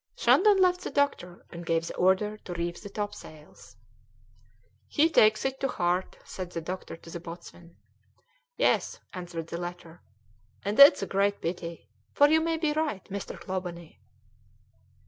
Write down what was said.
Shandon left the doctor and gave the order to reef the topsails. "He takes it to heart," said the doctor to the boatswain. "Yes," answered the latter, "and it's a great pity, for you may be right, Mr. Clawbonny."